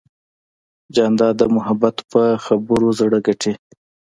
جانداد د محبت په خبرو زړه ګټي.